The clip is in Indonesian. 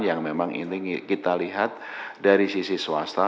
yang memang ini kita lihat dari sisi swasta